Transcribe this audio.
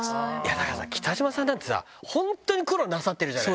だからさ、北島さんだってさ、本当に苦労なさってるじゃない。